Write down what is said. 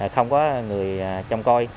không có người trông coi